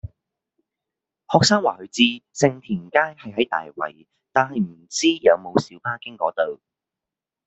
學生話佢知盛田街係喺大圍，但係唔知有冇小巴經嗰度